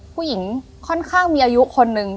ผู้หญิงค่อนข้างมีอายุคนนึง